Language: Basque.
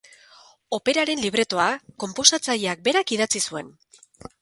Operaren libretoa, konposatzaileak berak idatzi zuen.